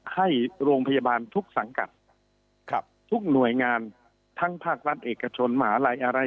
ให้โรงพยาบาลทุกสังกัดทุกหน่วยงานทั้งภาครัฐเอกชนมหาลัยอะไร